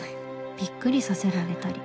びっくりさせられたり